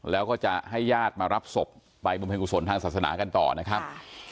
แล้วก็จะให้ญาติมารับศพไปบำเพ็ญกุศลทางศาสนากันต่อนะครับ